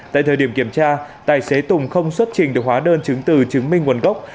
tại thời điểm kiểm tra tài xế tùng không xuất trình được hóa đơn chứng từ chứng minh nguồn gốc